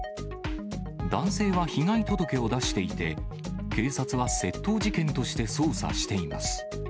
男性は被害届を出していて、警察は窃盗事件として捜査しています。